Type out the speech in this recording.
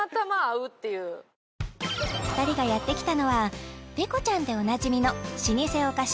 ２人がやってきたのはペコちゃんでおなじみの老舗お菓子